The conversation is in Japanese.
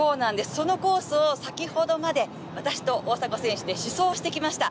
そのコースを先ほどまで私と大迫選手で試走してきました。